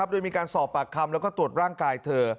โดยมีการสอบปากคำแล้วก็ตรวจร่างกายเธอ